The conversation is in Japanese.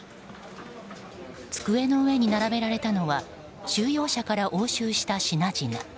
机の上に並べられたのは収容者から押収した品々。